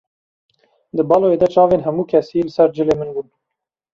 Di baloyê de çavên hemû kesî li ser cilê min bûn.